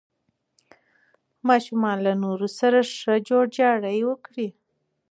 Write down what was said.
ماشومان له نورو سره ښه جوړجاړی وکړي.